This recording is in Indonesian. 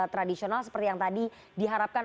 tradisional seperti yang tadi diharapkan